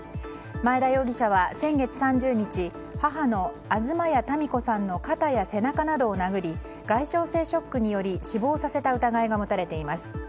前田容疑者は先月３０日母の東谷民子さんの肩や背中などを殴り外傷性ショックにより死亡させた疑いが持たれています。